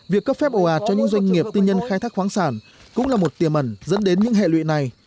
việc cấp phép ồ ạt cho những doanh nghiệp tư nhân khai thác khoáng sản cũng là một tiềm ẩn dẫn đến những hệ lụy này